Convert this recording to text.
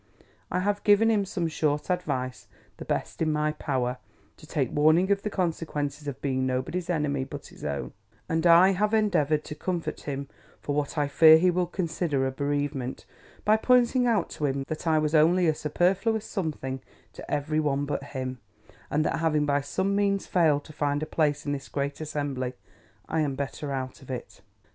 I have given him some short advice, the best in my power, to take warning of the consequences of being nobody's enemy but his own; and I have endeavoured to comfort him for what I fear he will consider a bereavement, by pointing out to him, that I was only a superfluous something to every one but him; and that having by some means failed to find a place in this great assembly, I am better out of it.